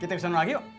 kita kesana lagi yuk